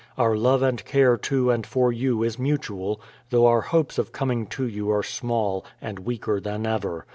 Our love and care to and for you is mutual, though our hopes of coming to you are small, and weaker than ever.